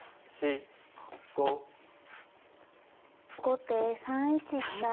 後手３一飛車。